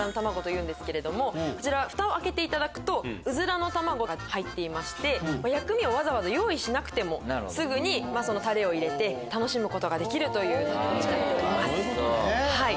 フタを開けていただくとウズラの卵が入っていまして薬味をわざわざ用意しなくてもすぐにタレを入れて楽しむことができるという納豆になっております。